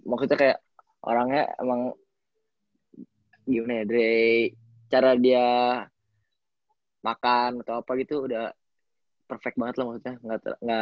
maksudnya kayak orangnya emang gimana ya dray cara dia makan atau apa gitu udah perfect banget lah maksudnya